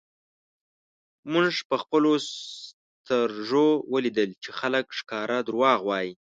مونږ په خپلو سترږو ولیدل چی خلک ښکاره درواغ وایی